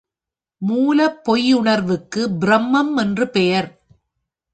மூலப் பொய்யுணர்வுக்கு ப்ரமம் என்று பெயர்.